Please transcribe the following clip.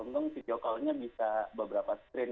untung video call nya bisa beberapa screen